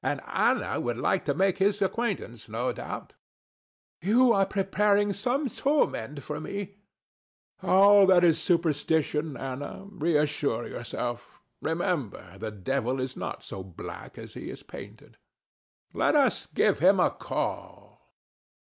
And Ana would like to make his acquaintance, no doubt. ANA. You are preparing some torment for me. DON JUAN. All that is superstition, Ana. Reassure yourself. Remember: the devil is not so black as he is painted. THE STATUE. Let us give him a call.